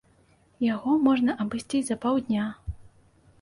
Яго можна абысці за паўдня.